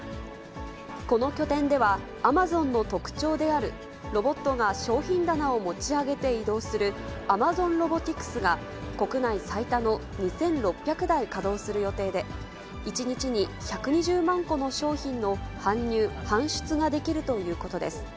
この拠点では、アマゾンの特徴である、ロボットが商品棚を持ち上げて移動する、アマゾンロボティクスが国内最多の２６００台稼働する予定で、１日に１２０万個の商品の搬入、搬出ができるということです。